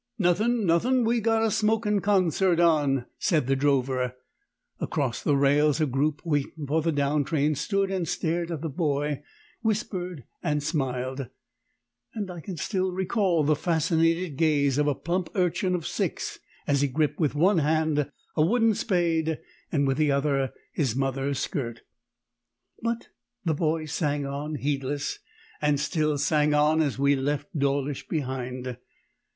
"Nothin', nothin'; we've got a smokin' concert on," said the drover. Across the rails a group waiting for the down train stood and stared at the boy, whispered, and smiled; and I can still recall the fascinated gaze of a plump urchin of six as he gripped with one hand a wooden spade and with the other his mother's skirt. But the boy sang on heedless, and still sang on as we left Dawlish behind.